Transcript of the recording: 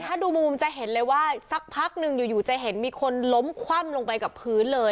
ถ้าดูมุมจะเห็นเลยว่าสักพักหนึ่งอยู่จะเห็นมีคนล้มคว่ำลงไปกับพื้นเลย